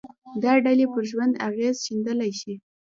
دا ډلې پر ژوند اغېز ښندلای شي